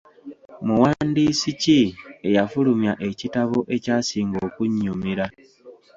Muwandiisi ki eyafulumya ekitabo ekyasinga okunnyumira.